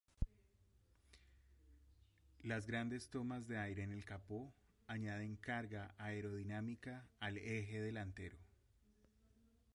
Las grandes tomas de aire en el capó añaden carga aerodinámica al eje delantero.